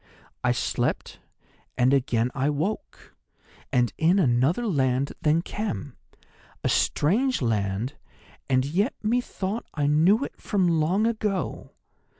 "'I slept, and again I woke, and in another land than Khem—a strange land, and yet methought I knew it from long ago.